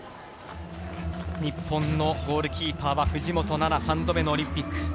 日本のゴールキーパーは藤本那菜、３度目のオリンピック。